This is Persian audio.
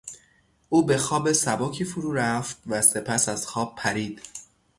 او به خواب سبکی فرو رفت و سپس از خواب پرید.